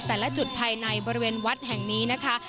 แต่ละจุดภายในบริเวณวัดแห่งนี้นะคะ